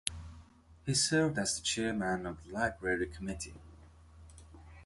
He served as the Chairman of the Library Committee.